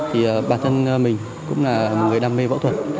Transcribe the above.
thì bản thân mình cũng là một người đam mê phẫu thuật